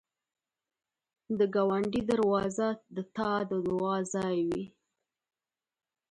د ګاونډي دروازه د تا د دعا ځای وي